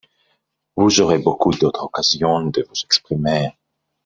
Vous aurez beaucoup d’autres occasions de vous exprimer.